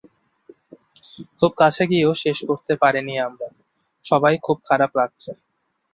খুব কাছে গিয়েও শেষ করতে পারিনি আমরা, সবাই খুব খারাপ লাগছে।